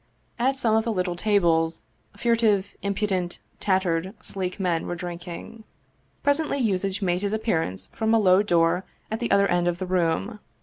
At some of the little tables fur tive, impudent, tattered, sleek men were drinking. Presently Yuzitch made his appearance from a low door at the other end of the room.